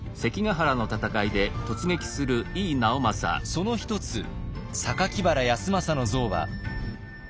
その一つ榊原康政の像は。